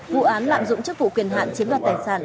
vụ án lạm dụng chức vụ quyền hạn chiếm đoạt tài sản